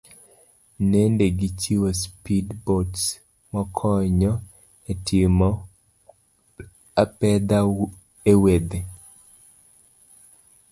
Nende gichiwo speed boats makonyo etimo apedha ewedhe.